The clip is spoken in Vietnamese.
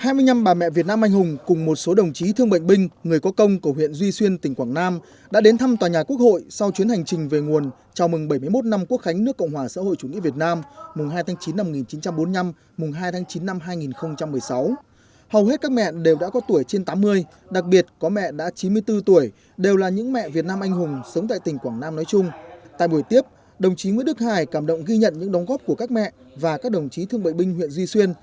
cũng trong ngày tám tháng chín đoàn các bà mẹ việt nam anh hùng và người có công thuộc huyện duy xuyên tỉnh quảng nam đã đến thăm toàn nhà quốc hội đồng chí nguyễn đức hải ủy viên trung ương đảng chủ nhiệm ủy ban tài trí ngân sách của quốc hội đã thân mật tiếp đoàn